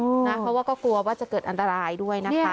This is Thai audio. เพราะว่าก็กลัวว่าจะเกิดอันตรายด้วยนะคะ